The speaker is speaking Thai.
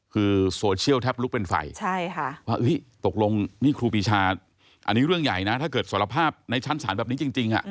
คือโซเชียลแทบลุกเป็นไฟว่าตกลงนี่ครูปีชาอันนี้เรื่องใหญ่นะถ้าเกิดสารภาพในชั้นศาลแบบนี้จริง